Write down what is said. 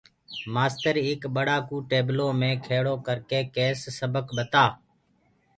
مآستر ايڪ ٻڙآ ڪو ٽيبلو مي کِيڙو ڪرڪي ڪيس سبڪ ٻتآ